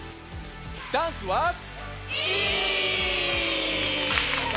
ダンスは？